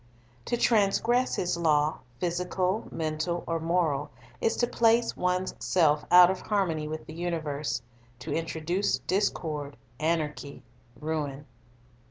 To transgress His law, physical, mental, or moral, is to place one's self out of harmony with the universe, to introduce discord, anarchy, ruin.